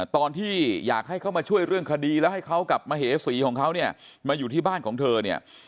ตอนที่อยากให้เขามาช่วยเรื่องคดีแล้วให้เขากับมเหสีของเขาเนี่ยมาอยู่ที่บ้านของเธอเนี่ย